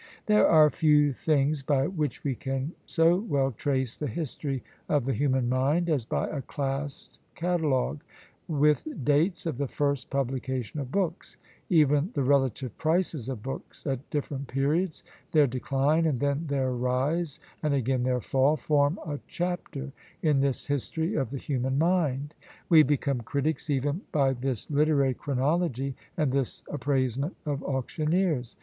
There are few things by which we can so well trace the history of the human mind as by a classed catalogue, with dates of the first publication of books; even the relative prices of books at different periods, their decline and then their rise, and again their fall, form a chapter in this history of the human mind; we become critics even by this literary chronology, and this appraisement of auctioneers.